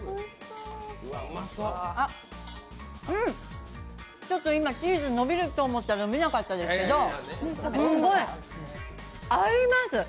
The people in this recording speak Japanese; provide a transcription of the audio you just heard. あっ、うんちょっと今、チーズ伸びると思ったら伸びなかったですけどすっごい合います。